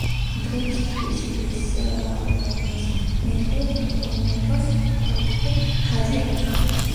დღეისათვის ლისაბონის მეტროს ოთხი ხაზი აქვს.